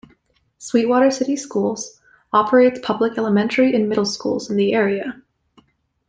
Sweetwater City Schools operates public elementary and middle schools in the area.